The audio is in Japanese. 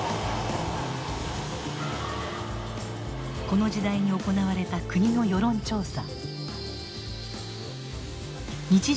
この時代に行われた国の世論調査。